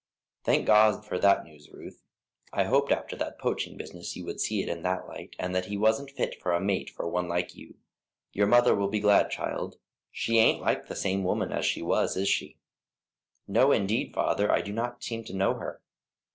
"Thank God for that news, Ruth. I hoped after that poaching business you would see it in that light, and that he wasn't fit for a mate for one like you. Your mother will be glad, child. She ain't like the same woman as she was, is she?" "No, indeed, father, I do not seem to know her."